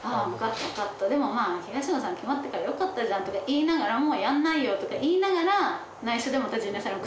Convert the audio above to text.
でもまあ東野さん決まったから良かったじゃん」とか言いながら「もうやんないよ」とか言いながら。